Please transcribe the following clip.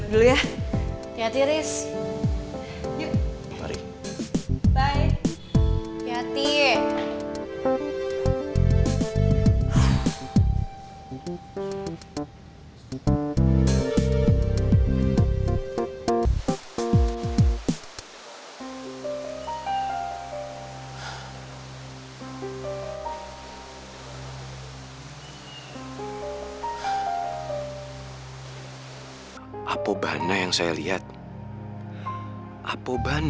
kalau gitu biar pao yang nantar dia pulang